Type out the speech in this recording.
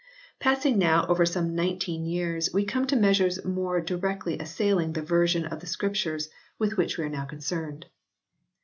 Passing now over some nineteen years we come to measures more directly assailing the version of the Scriptures with which we are now concerned.